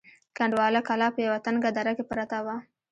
کنډواله کلا په یوه تنگه دره کې پرته وه.